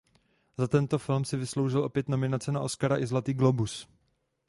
Za tento film si vysloužila opět nominace na Oscara i Zlatý glóbus.